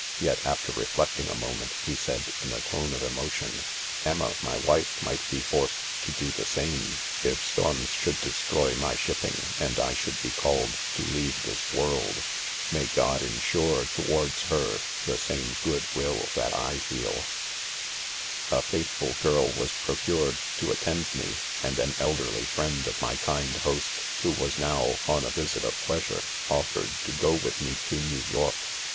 "^Yet, after reflecting a moment, he said, in a tone of emotions " Em ma, my wife, might be forced to do the same; if storms should destroy my shipping, and I should be called to leave this worlds _ May God ensure towards her the same goodwill that I "feel f A faithful girl was procured to attend me, and an elderly friend of 'my kind host, who was now, 'on a visit of pleasure, offered to go with me to New York.